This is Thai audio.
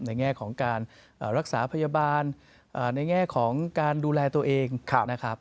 แง่ของการรักษาพยาบาลในแง่ของการดูแลตัวเองนะครับ